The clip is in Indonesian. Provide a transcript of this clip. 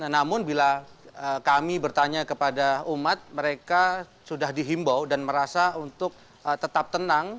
namun bila kami bertanya kepada umat mereka sudah dihimbau dan merasa untuk tetap tenang